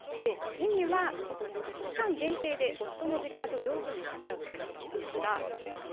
意味は期間限定で夫の実家と上手につきあうということでした。